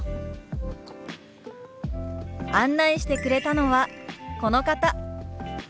案内してくれたのはこの方。